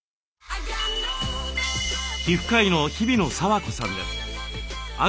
皮膚科医の日比野佐和子さんです。